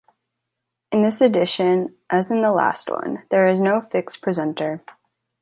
In this edition, as in the last one, there is no fix presenter.